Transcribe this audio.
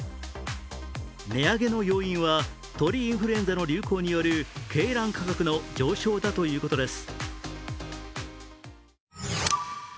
値上げの要因は鳥インフルエンザの流行による鶏卵価格の上昇だということです。